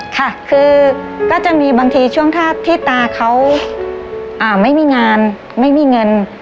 ค่ะคือก็จะมีบางทีช่วงถ้าที่ตาเขาไม่มีงานไม่มีเงิน